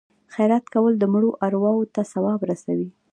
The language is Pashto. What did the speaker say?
خیرات کول د مړو ارواو ته ثواب رسوي.